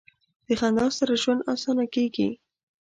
د خندا سره ژوند اسانه کیږي.